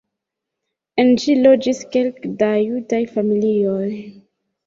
En ĝi loĝis kelke da judaj familioj.